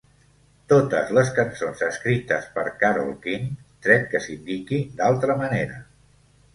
Totes les cançons escrites per Carole King, tret que s'indiqui d'altra manera.